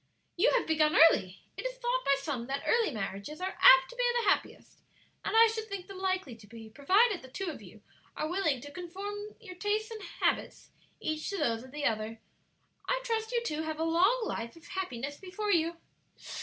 "You have begun early; it is thought by some that early marriages are apt to be the happiest, and I should think them likely to be, provided the two are willing to conform their tastes and habits each to those of the other. I trust you two have a long life of happiness before you."